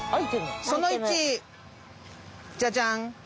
その１ジャジャン。